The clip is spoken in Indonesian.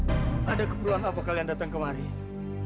apa yang perlu kalian lakukan hari ini